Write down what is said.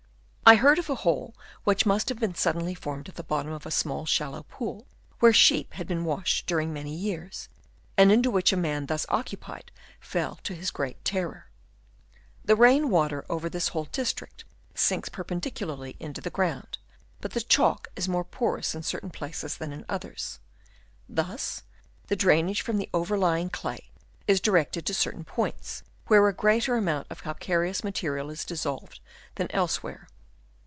I heard of a hole which must have been suddenly formed at the bottom of a small shallow pool, where sheep had been washed during many years, and into which a man thus occupied fell to his great terror. The rain water over this whole district sinks perpen dicularly into the ground, but the chalk is more porous in certain places than in others. Thus the drainage from the overlying clay is directed to certain points, where a greater amount of cal careous matter is dissolved than elsewhere.